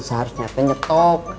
seharusnya teh nyetok